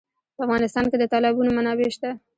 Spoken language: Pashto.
په افغانستان کې د تالابونه منابع شته.